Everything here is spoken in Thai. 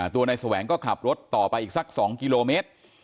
ตัวนายแสวงก็ขับรถต่อไปอีกสัก๒กิโลเมตร